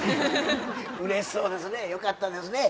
うれしそうですねよかったですね。